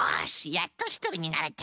やっとひとりになれた。